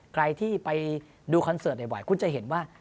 ใครที่ไปดูคอนเสิร์ตบ่อยคุณจะเห็นว่า